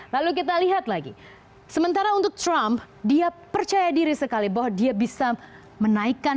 lalu kita lihat lagi sementara untuk trump dia percaya diri sekali bahwa dia bisa menaikkan